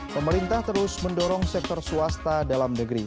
pemerintah terus mendorong sektor swasta dalam negeri